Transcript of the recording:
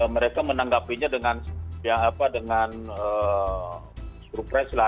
mereka menanggapinya dengan dengan suruh pres lah